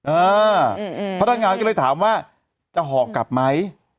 พนักงานก็เลยถามว่าจะห่อกลับไหม